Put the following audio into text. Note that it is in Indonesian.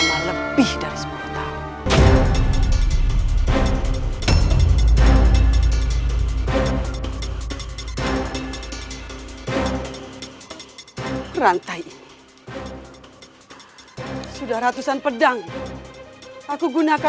mereka semua mempunyai hak